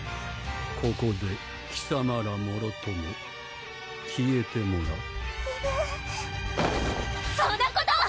ここで貴様らもろとも消えてもらうえるそんなこと！